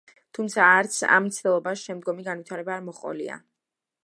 თუმცა, არც ამ მცდელობას შემდგომი განვითარება არ მოჰყოლია.